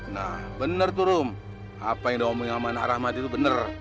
nah bener tuh rum apa yang udah omongin sama anak rahmat itu bener